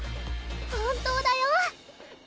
本当だよ